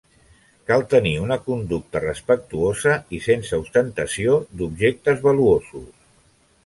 Cal tenir una conducta respectuosa i sense ostentació d'objectes valuosos.